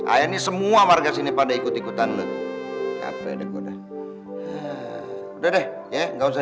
akhirnya semua warga sini pada ikut ikutan lo tuh gak pedek udah udah deh ya nggak usah